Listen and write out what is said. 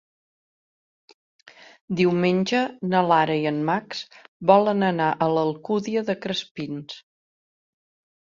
Diumenge na Lara i en Max volen anar a l'Alcúdia de Crespins.